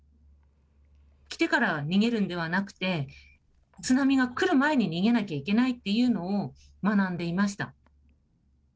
来てから逃げるんではなくて津波が来る前に逃げなきゃいけないというのを学んでいました。